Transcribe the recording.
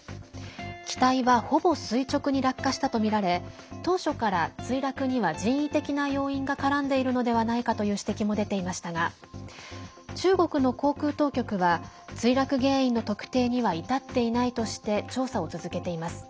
機体は、ほぼ垂直に落下したとみられ当初から、墜落には人為的な要因が絡んでいるのではないかという指摘も出ていましたが中国の航空当局は、墜落原因の特定には至っていないとして調査を続けています。